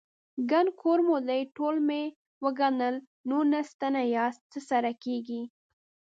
_ګڼ کور مو دی، ټول مې وګڼل، نولس تنه ياست، څه سره کېږئ؟